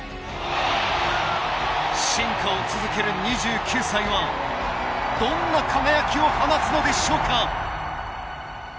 進化を続ける２９歳はどんな輝きを放つのでしょうか？